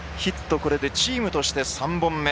これでチームとして３本目。